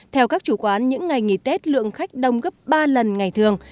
theo các chủ quán những ngày nghỉ tết lượng khách đông gấp ba lần ngày thường